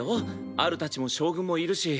アルたちも将軍もいるし。